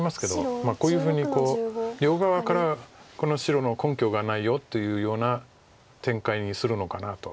こういうふうに両側からこの白の根拠がないよというような展開にするのかなと。